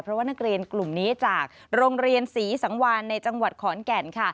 เพราะว่านักเรียนกลุ่มนี้จากโรงเรียนศรีสังวานในจังหวัดขอนแก่นค่ะ